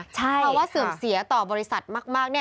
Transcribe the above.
เพราะว่าเสื่อมเสียต่อบริษัทมาก